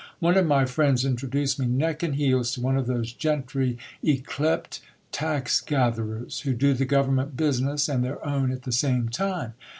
One of my friends introduced me neck and heels to one of those gentry ycleped tax gather ers, who do the government business and their own at the same time.